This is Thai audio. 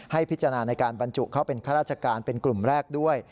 พิจารณาในการบรรจุเข้าเป็นข้าราชการเป็นกลุ่มแรกด้วย